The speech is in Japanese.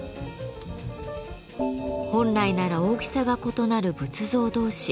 本来なら大きさが異なる仏像同士。